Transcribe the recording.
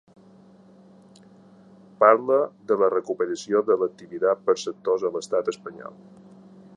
Parla de la recuperació de l’activitat per sectors a l’estat espanyol.